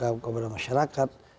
yang berasal dari masyarakat